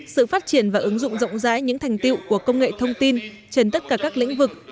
sự phát triển và ứng dụng rộng rãi những thành tiệu của công nghệ thông tin trên tất cả các lĩnh vực